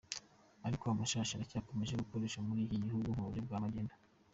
Ariko amashashi aracyakomeje gukoreshwa muri iki gihugu mu buryo bwa magendu.